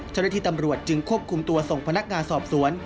เจ้าหน้าที่ตำรวจจึงควบคุมตัวส่งพนักงานสอบสวน